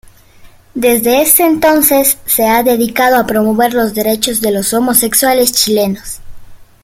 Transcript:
Desde ese entonces, se ha dedicado a promover los derechos de los homosexuales chilenos.